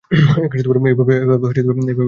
এভাবে বলিস না ভাই!